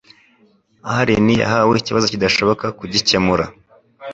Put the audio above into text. Allen yahawe ikibazo kidashoboka kugikemura